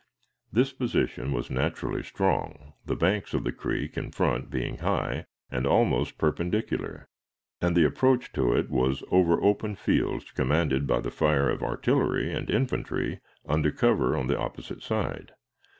This position was naturally strong, the banks of the creek in front being high and almost perpendicular, and the approach to it was over open fields commanded by the fire of artillery and infantry under cover on the opposite side.